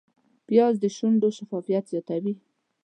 پیاز د شونډو شفافیت زیاتوي